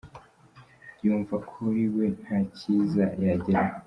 Yumva kuri we nta cyiza yageraho.